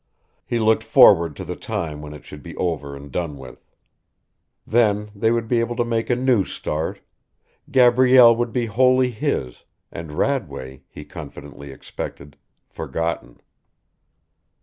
He looked forward to the time when it should be over and done with. Then they would be able to make a new start; Gabrielle would be wholly his, and Radway, he confidently expected, forgotten.